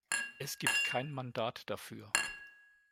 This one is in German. Es gibt kein Mandat dafür.